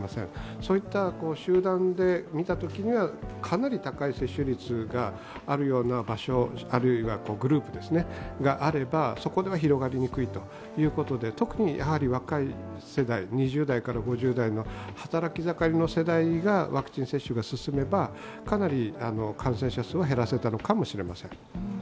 そういった集団で見たときには、かなり高い接種率があるような場所、あるいはグループがあればそこでは広がりにくいということで特に若い世代、２０５０代の働き盛りの世代のワクチン接種が進めばかなり感染者数は減らせたのかもしれません。